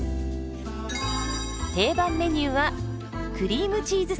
定番メニューはクリームチーズサーモン。